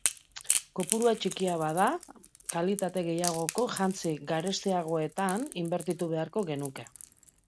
Kopurua txikia bada, kalitate gehiagoko jantzi garestiagoetan inbertitu beharko genuke.